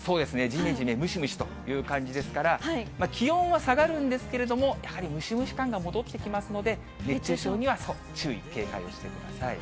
じめじめ、ムシムシという感じですから、気温は下がるんですけれども、やはりムシムシ感が戻ってきますので、熱中症には注意、警戒をしてください。